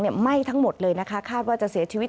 ไหม้ทั้งหมดเลยนะคะคาดว่าจะเสียชีวิต